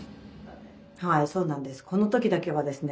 はいそうなんです。